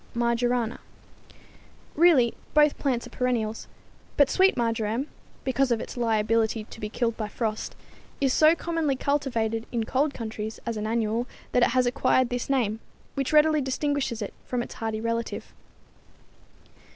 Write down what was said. Marjorana_). Really, both plants are perennials, but sweet marjoram, because of its liability to be killed by frost, is so commonly cultivated in cold countries as an annual that it has acquired this name, which readily distinguishes it from its hardy relative.